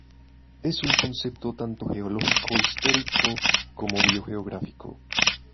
Es un concepto tanto geológico-histórico como biogeográfico.